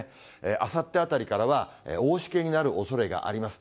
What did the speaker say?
あさってあたりからは大しけになるおそれがあります。